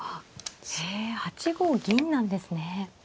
へえ８五銀なんですね。